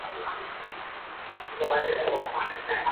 每个人背后都有数不清的精彩